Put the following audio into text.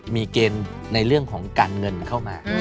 มีเกณฑ์ในเรื่องของการเงินเข้ามา